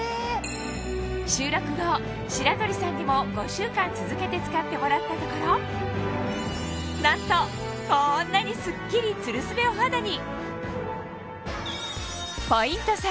収録後白鳥さんにも５週間続けて使ってもらったところなんとこんなにスッキリツルスベお肌に！